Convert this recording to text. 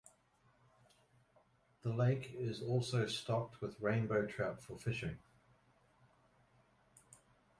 The lake is also stocked with rainbow trout for fishing.